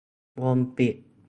วงปิด